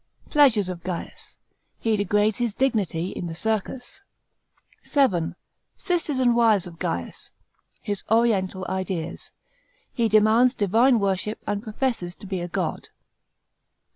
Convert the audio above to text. Pleasures of Gaius. He degrades his dignity in the circus. § 7. Sisters and wives of Gaius. His oriental ideas. He demands divine worship and professes to be a god.